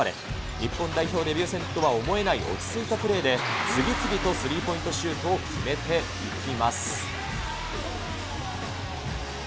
日本代表デビュー戦とは思えない落ち着いたプレーで、次々とスリーポイントシュートを決めていきます。